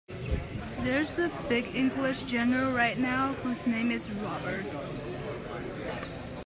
There's a big English general right now whose name is Roberts.